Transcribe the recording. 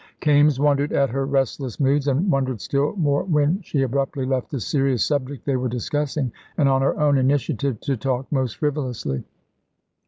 Kaimes wondered at her restless moods, and wondered still more when she abruptly left the serious subject they were discussing and on her own initiative to talk most frivolously.